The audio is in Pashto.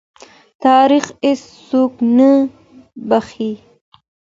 تاریخ هېڅوک نه بخښي.